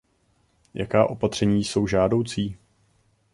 Jaká opatření jsou žádoucí?